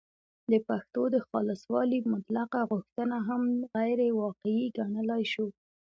د پښتو د خالصوالي مطلقه غوښتنه هم غیرواقعي ګڼلای شو